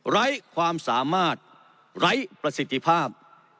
ไร้ความสามารถไร้ประสิทธิภาพ